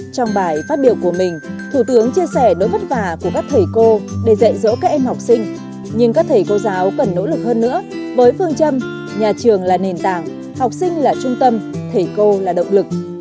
trong bài phát biểu của mình thủ tướng chia sẻ nỗi vất vả của các thầy cô để dạy dỗ các em học sinh nhưng các thầy cô giáo cần nỗ lực hơn nữa với phương châm nhà trường là nền tảng học sinh là trung tâm thầy cô là động lực